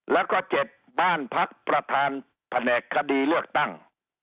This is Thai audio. แล้วก็๗บ้านพักประธานแผนกคดีเลือกตั้ง